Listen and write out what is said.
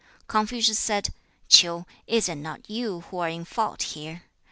Confucius said, 'Ch'iu, is it not you who are in fault here?